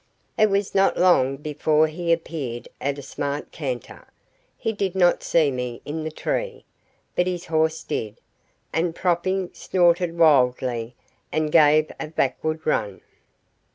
It was not long before he appeared at a smart canter. He did not see me in the tree, but his horse did, and propping, snorted wildly, and gave a backward run.